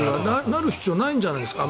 なる必要ないんじゃないですか。